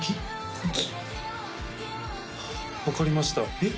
本気分かりましたえっ？